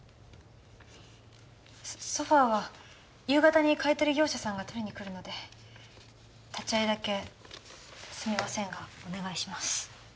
ソファーは夕方に買い取り業者さんが取りに来るので立ち会いだけすみませんがお願いします